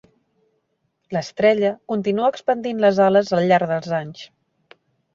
"L'estrella" continua expandint les ales al llarg dels anys.